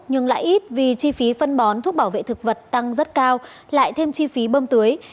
nhưng lại ít vì chi phí phân bón thuốc bảo vệ thực vật tăng rất cao lại thêm chi phí bơm tưới